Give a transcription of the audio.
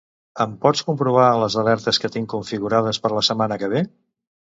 Em pots comprovar les alertes que tinc configurades per la setmana que ve?